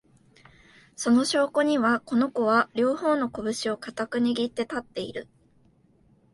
その証拠には、この子は、両方のこぶしを固く握って立っている